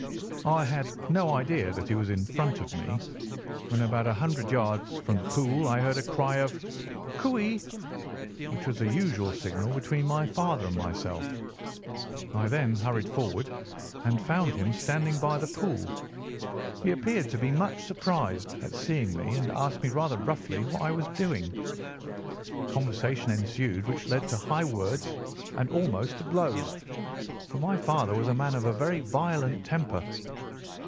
I had no idea that he was in front of me. When about a hundred yards from the pool I heard a cry of "Cooee!" which was a usual signal between my father and myself. I then hurried forward, and found him standing by the pool. He appeared to be much surprised at seeing me and asked me rather roughly what I was doing there. A conversation ensued which led to high words and almost to blows, for my father was a man of a very violent temper.